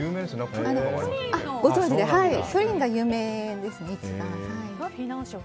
プリンが有名ですね。